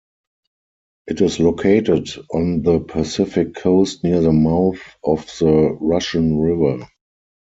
It is located on the Pacific coast near the mouth of the Russian River.